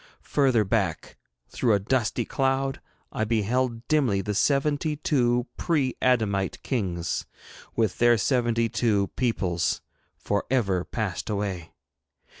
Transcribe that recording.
Further back, through a dusty cloud, I beheld dimly the seventy two pre adamite kings, with their seventy two peoples, for ever passed away.